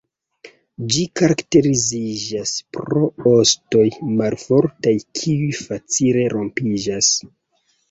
Ĝi karakteriziĝas pro ostoj malfortaj kiuj facile rompiĝas.